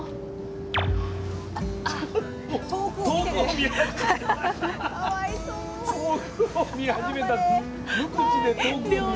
無口で遠くを見始めた。